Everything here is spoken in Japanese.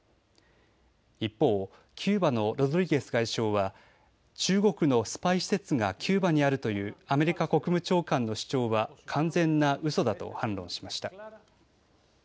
一方、キューバのロドリゲス外相は中国のスパイ施設がキューバにあるというアメリカ国務長官の主張は完全なうそだと反論しました。